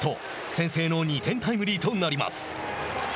先制の２点タイムリーとなります。